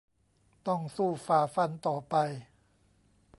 ต้องสู้ฝ่าฟันต่อไป